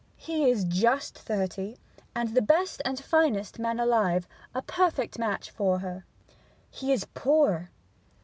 'He is just thirty, and the best and finest man alive a perfect match for her.' 'He is poor!'